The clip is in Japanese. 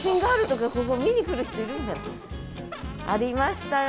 ありましたよ。